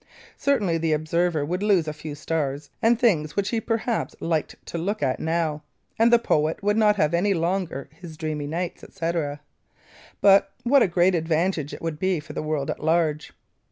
Certainly the observer would lose a few stars and things which he perhaps liked to look at now, and the poet would not have any longer his dreamy nights, etc., but what a great advantage it would be for the world at large.